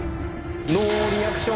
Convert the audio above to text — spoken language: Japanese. ノーリアクション